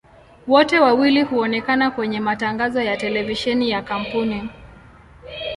Wote wawili huonekana kwenye matangazo ya televisheni ya kampuni.